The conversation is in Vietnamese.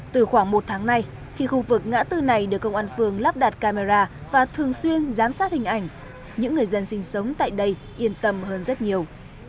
từ khoảng một tháng nay khi khu vực ngã tư này được công an phường lắp đặt camera và thường xuyên giám sát hình ảnh những người dân sinh sống tại đây yên tâm hơn rất nhiều